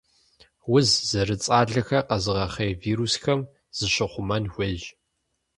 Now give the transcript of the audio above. Уз зэрыцӏалэхэр къэзыгъэхъей вирусхэм зыщыхъумэн хуейщ.